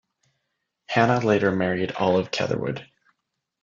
Hanna later married Olive Catherwood.